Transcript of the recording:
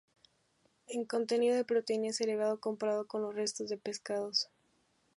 El contenido de proteína es elevado comparado con el resto de pescados.